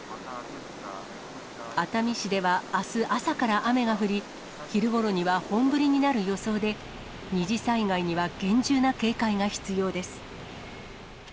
熱海市ではあす朝から雨が降り、昼頃には本降りになる予想で、二次災害には厳重な警戒が必要です。